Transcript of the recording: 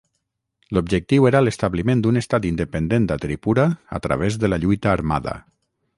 L'objectiu era l'establiment d'un estat independent a Tripura a través de la lluita armada.